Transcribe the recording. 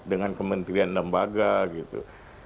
dengan kementerian lembaga gitu